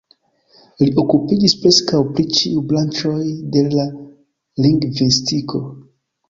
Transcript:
Li okupiĝis preskaŭ pri ĉiuj branĉoj de la lingvistiko.